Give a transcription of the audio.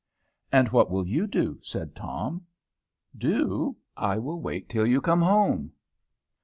"And what will you do?" said Tom. "Do? I will wait till you come home.